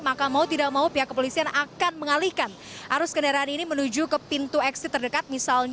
maka mau tidak mau pihak kepolisian akan mengalihkan arus kendaraan ini menuju ke pintu exit terdekat